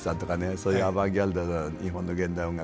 そういうアバンギャルドな日本の現代音楽